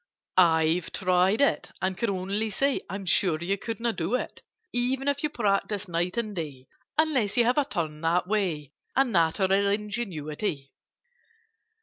"I've tried it, and can only say I'm sure you couldn't do it, e ven if you practised night and day, Unless you have a turn that way, And natural ingenuity.